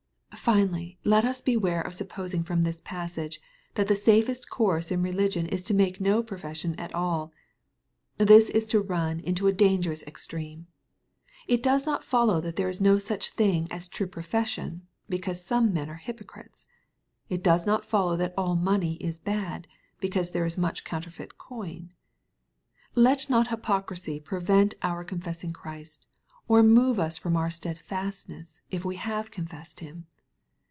Finally, let us beware of supposing &om this passage, that the safest course in religion is to make no profession at aU. This is to run into a dangerous extreme. It does not follow that there is no such thing as true pro fession, because some men are hypocrites. Hit does not follow that all money is bad, because there is much counterfeit coin!^ Let not hypocrisy prevent our con fessing Christ, or move from us our steadfastness, if we have confessed Him.